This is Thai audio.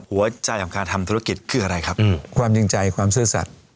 หัวใจของการทำธุรกิจคืออะไรครับความจริงใจความซื่อสัตว์